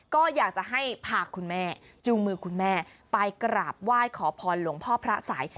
ก็อยากจะให้พาคุณแม่จูงมือคุณแม่ไปกราบไหว้ขอพรหลวงพ่อพระสัย